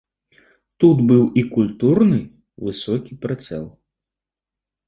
Тут быў і культурны, высокі прыцэл.